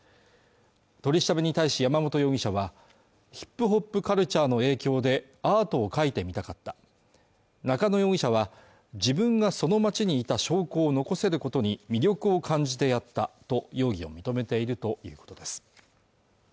取り調べに対し山本容疑者はヒップホップカルチャーの影響でアートを描いてみたかった中野容疑者は自分がその町にいた証拠を残せることに魅力を感じてやったと容疑を認めているということです